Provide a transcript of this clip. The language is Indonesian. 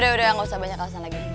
udah udah gak usah banyak alasan lagi